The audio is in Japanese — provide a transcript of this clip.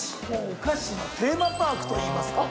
お菓子のテーマパークといいますか。